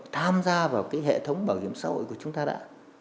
tham gia vào cái hệ thống bảo hiểm xã hội của chúng ta đã